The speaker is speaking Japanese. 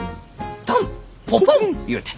「タン・ポポンッ」ゆうて。